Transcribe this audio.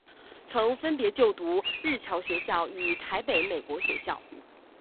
曾分别就读日侨学校与台北美国学校。